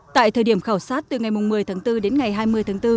tại thời điểm khảo sát từ ngày một mươi tháng bốn đến ngày hai mươi tháng bốn